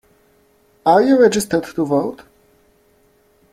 Are you registered to vote?